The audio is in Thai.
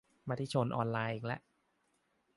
มติชนออนไลน์อีกละ